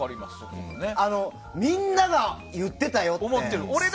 みんなが言ってたよって。